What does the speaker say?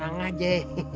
tenang aja ya